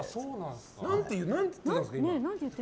何て言ってるんですか？